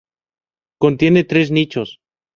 Contiene tres nichos.